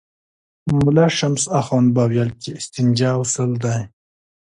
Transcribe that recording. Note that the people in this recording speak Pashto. ملا شمس اخند به ویل چې استنجا غسل دی.